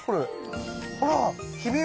ほら！